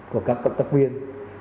của các công tác viên